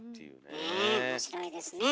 ねえ面白いですね。